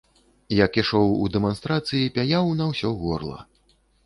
Як ішоў у дэманстрацыі, пяяў на ўсё горла.